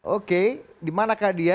oke dimanakah dia